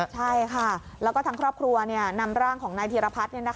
ใช่ค่ะแล้วก็ทั้งครอบครัวนำร่างของนายธีรพัฒน์